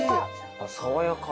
爽やか。